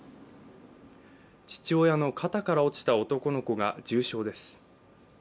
父親の肩から落ちた男の子が重傷です。